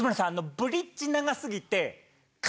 ブリッジ長過ぎて。